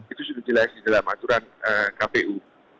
itu sudah dijelaskan dalam aturan kpu